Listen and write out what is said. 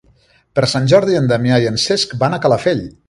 Per Sant Jordi en Damià i en Cesc van a Calafell.